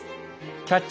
「キャッチ！